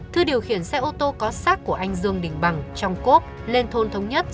thưa điều khiển xe ô tô có sát của anh dương đình bằng trong cốp lên thôn thống nhất